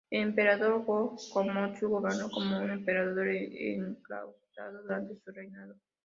El emperador Go-Komatsu gobernó como un Emperador Enclaustrado durante su reinado.